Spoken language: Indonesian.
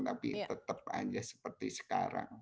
tapi tetap aja seperti sekarang